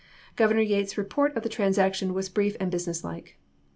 Governor Yates's report of the transaction was brief and business like.